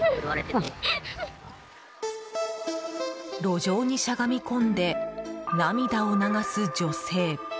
路上にしゃがみ込んで涙を流す女性。